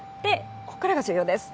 ここからが重要です。